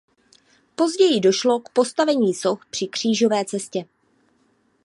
Později došlo k postavení soch při křížové cestě.